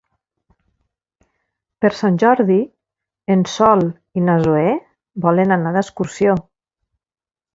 Per Sant Jordi en Sol i na Zoè volen anar d'excursió.